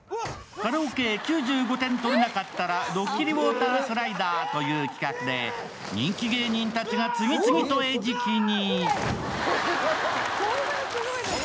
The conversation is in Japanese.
カラオケ９５点取れなかったらドッキリウォータースライダーという企画で人気芸人たちが次々と餌食に。